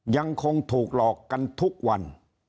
ยังคงถูกหลอกกันทุกวัน